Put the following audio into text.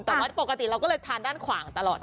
แต่ว่าปกติเราก็เลยทานด้านขวางตลอด